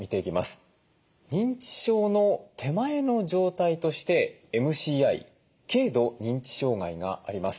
認知症の手前の状態としてＭＣＩ軽度認知障害があります。